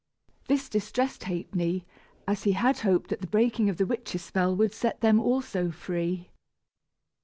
This distressed Ha'penny, as he had hoped that the breaking of the witch's spell would set them also free.